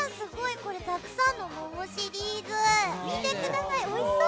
これ、たくさんの桃シリーズ見てください。